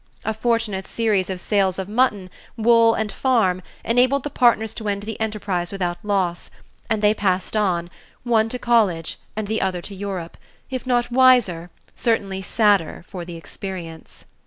A fortunate series of sales of mutton, wool, and farm enabled the partners to end the enterprise without loss, and they passed on, one to college and the other to Europe, if not wiser, certainly sadder for the experience.